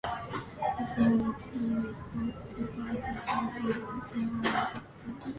Russia would be represented by the flag of the Russian Olympic Committee.